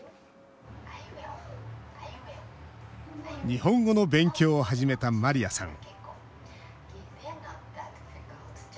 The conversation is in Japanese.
日本語の勉強を始めたマリアさん